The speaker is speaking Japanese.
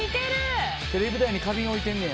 テレビ台に花瓶置いてんねや。